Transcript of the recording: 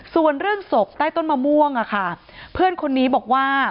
ส่วนเรื่องศพใต้ต้นมะม่วงเพื่อนคนนี้บอกว่า